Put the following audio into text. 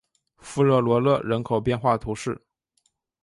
富热罗勒人口变化图示